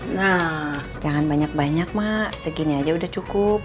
nah jangan banyak banyak mak segini aja udah cukup